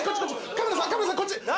カメラさんカメラさんこっち！